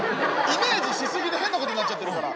イメージし過ぎで変なことになっちゃってるから。